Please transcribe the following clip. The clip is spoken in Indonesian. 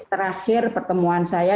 terakhir pertemuan saya